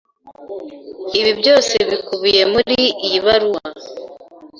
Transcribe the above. Ibi byose bikubiye muri iyi baruwa.